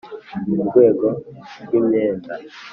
Mu rwego rw imyenda